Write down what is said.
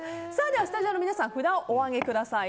ではスタジオの皆さん札をお上げください。